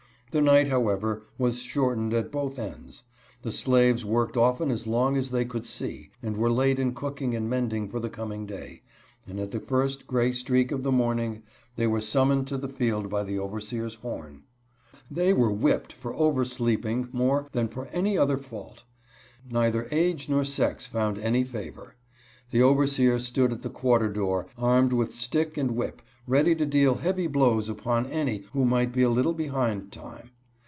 The night, however, was short ened at both ends. The slaves worked often as long as they could see, and were late in cooking and mending for the coming day, and at the first gray streak of the morn 64 ASH CAKE. ing they were summoned to the field by the overseer's horn. They were whipped for over sleeping more than for any other fault. Neither age nor sex found any favor. The overseer stood at the quarter door, armed with stick and whip, ready to deal heavy blows upon any who might be a little behind time.